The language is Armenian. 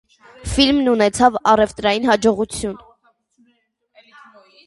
Ֆիլմն ունեցավ առևտրային հաջողություն։